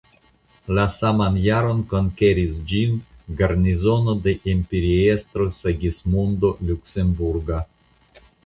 La saman jaron konkeris ĝin garnizono de imperiestro Sigismondo Luksemburga.